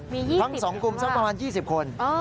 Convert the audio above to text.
มี๒๐คือว่าทั้งสองกลุ่มสักประมาณ๒๐คน